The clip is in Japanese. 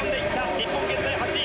日本現在８位。